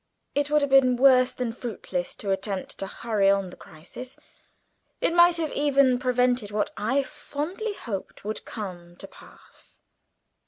"It would have been worse than fruitless to attempt to hurry on the crisis. It might have even prevented what I fondly hoped would come to pass."